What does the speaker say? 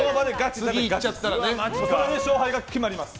それで勝敗が決まります。